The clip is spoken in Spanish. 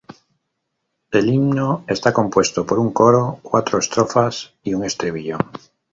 El himno está compuesto por un coro, cuatro estrofas y un estribillo.